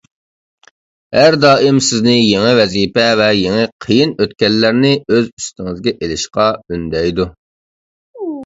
ھەر دائىم سىزنى يېڭى ۋەزىپە ۋە يېڭى قىيىن ئۆتكەللەرنى ئۆز ئۈستىڭىزگە ئېلىشقا ئۈندەيدۇ.